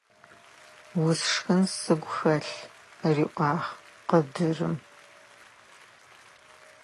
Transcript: Усшхын сыгу хэлъ! – риӀуагъ къыдырым.